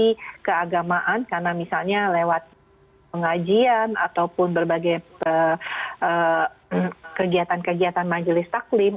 jadi keagamaan karena misalnya lewat pengajian ataupun berbagai kegiatan kegiatan majelis taklim